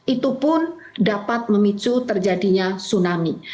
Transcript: itu pun dapat memicu terjadinya tsunami